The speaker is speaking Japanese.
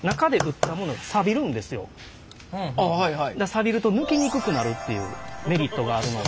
さびると抜きにくくなるっていうメリットがあるので。